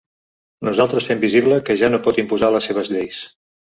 Nosaltres fem visible que ja no pot imposar les seues lleis.